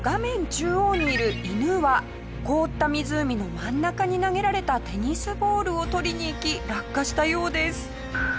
中央にいる犬は凍った湖の真ん中に投げられたテニスボールを取りに行き落下したようです。